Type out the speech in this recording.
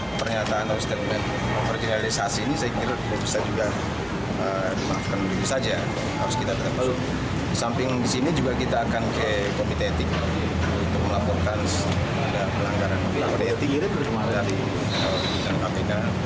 melaporkan ada pelanggaran ada etik yang terjemahkan dari bintang katina